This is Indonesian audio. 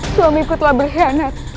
suamiku telah berkhianat